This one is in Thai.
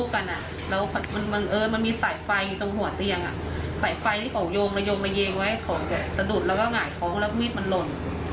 แค่มีเมืออายของแล้วมีดมันหล่น